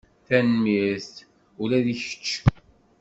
Tanemmirt! Ula i kečč!